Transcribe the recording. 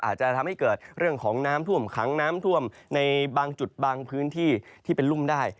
อาจจะทำให้เกิดเรื่องของน้ำท่วมขังน้ำท่วมในบางจุดบางพื้นที่ที่เป็นรุ่มได้